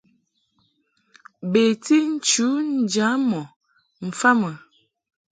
Beti nchu njam ɔ mfa mɨ.